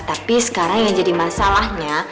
tapi sekarang yang jadi masalahnya